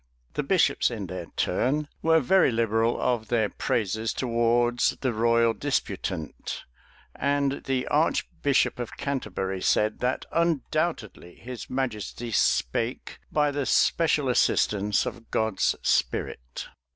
The bishops, in their turn, were very liberal of their praises towards the royal disputant; and the archbishop of Canterbury said, that "undoubtedly his majesty spake by the special assistance of God's Spirit."